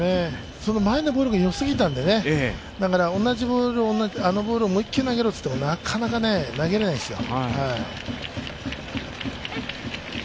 その前のボールがよすぎたので、同じボール、あのボールをもう一球投げろといったらなかなかね、投げれないですよ。